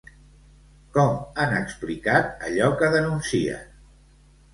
Com han explicat allò que denuncien?